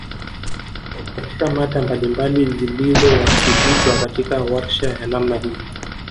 Katika mada mbalibali zilizowasilishwa katika warsha ya namna hii